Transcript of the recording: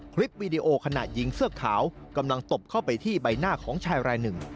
คลิปวีดีโอขณะยิงเสื้อขาวกำลังตบเข้าไปที่ใบหน้าของชายรายหนึ่ง